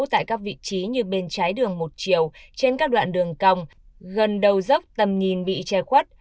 tại các vị trí như bên trái đường một chiều trên các đoạn đường còng gần đầu dốc tầm nhìn bị che khuất